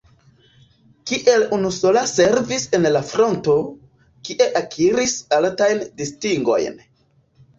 Kiel unusola servis en la fronto, kie akiris altajn distingojn.